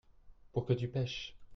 pour que tu pêches.